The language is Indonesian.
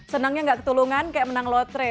senangnya gak ketulungan kayak menang lotre